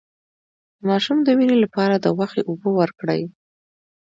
د ماشوم د وینې لپاره د غوښې اوبه ورکړئ